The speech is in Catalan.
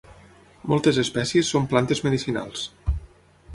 Moltes espècies són plantes medicinals.